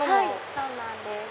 そうなんです。